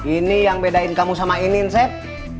ini yang bedain kamu sama ini chef